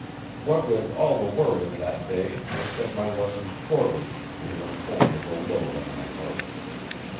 What with all the worry of that day I said my lessons poorly and went home with a load on my heart.